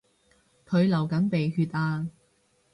佢流緊鼻血呀